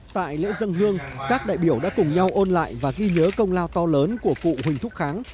tại lễ dân hương các đại biểu đã cùng nhau ôn lại và ghi nhớ công lao to lớn của cụ huỳnh thúc kháng